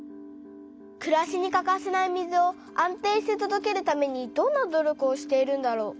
くらしにかかせない水を安定してとどけるためにどんな努力をしているんだろう。